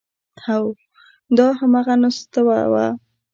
هو، دا همغه نستوه و…